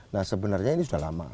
nah sebenarnya ini sudah lama